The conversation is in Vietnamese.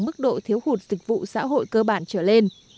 mức độ thiếu hụt dịch vụ xã hội cơ bản trở lên